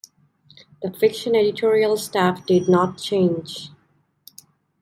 The fiction editorial staff did not change.